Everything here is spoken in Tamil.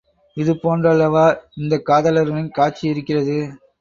இது போன்றல்லவா இந்தக் காதலர்களின் காட்சி இருக்கிறது.